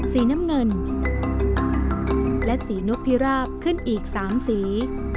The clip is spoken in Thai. สีน้ำเงินและสีนกพิราบขึ้นอีก๓สี